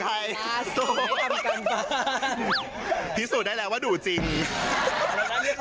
ภัทรพี่สุตได้แล้วว่าดูจริง